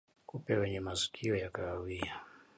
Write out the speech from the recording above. Kupe wenye masikio ya kahawia